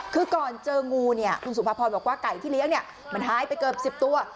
คือก่อนเจองูเนี่ยคุณสุภาพรบอกว่าไก่ที่เลี้ยงเนี่ยมันหายไปเกือบ๑๐ตัว